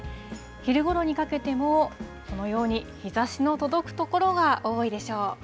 昼ごろにかけても、このように日ざしの届く所が多いでしょう。